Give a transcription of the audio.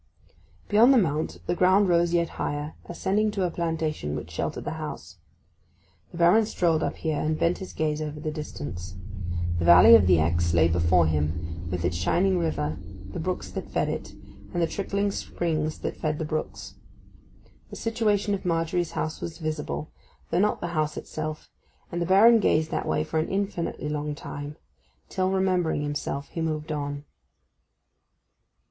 Behind the mount the ground rose yet higher, ascending to a plantation which sheltered the house. The Baron strolled up here, and bent his gaze over the distance. The valley of the Exe lay before him, with its shining river, the brooks that fed it, and the trickling springs that fed the brooks. The situation of Margery's house was visible, though not the house itself; and the Baron gazed that way for an infinitely long time, till, remembering himself, he moved on.